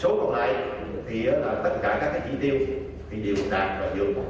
số còn lại thì là tất cả các cái chi tiêu thì đều đạt ở vườn